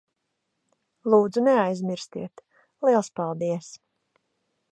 Lūdzu, neaizmirstiet. Liels paldies.